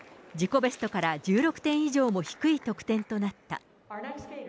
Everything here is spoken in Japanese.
自己ベストから１６点以上も低い得点となった。